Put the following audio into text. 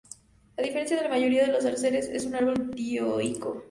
A diferencia de la mayoría de los arces es un árbol dioico.